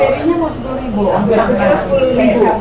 peri nya mau rp sepuluh angkosnya rp sepuluh